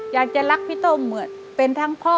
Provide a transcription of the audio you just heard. อยากจะรักพี่โต้มเหมือนเป็นทั้งพ่อ